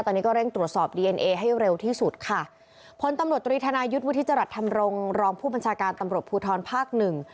ตอนนี้ก็เร่งตรวจสอบดีเอ็นเอให้เร็วที่สุดค่ะผลตำลดตริธนายุทธิจรรรย์ทำรงรองผู้บัญชาการตำลดภูทรภาคหนึ่ง